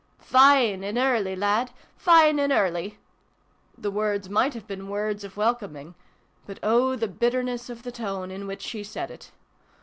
" Fine an' early, lad ! Fine an' early !" The words might have been words of welcoming, but oh, the bitterness of the tone in which she said it